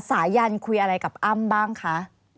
สายันคุยอะไรกับอ้ำบ้างคะ